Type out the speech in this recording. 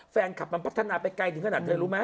แฟนคลับมันพัฒนาไปไกลถึงขนาดเธอรู้ไหม